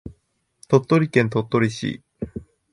鳥取県鳥取市